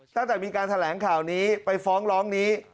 ตั้งแต่มีการแถลงข่าวนี้ไปฟ้องร้องนี้